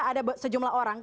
ada sejumlah orang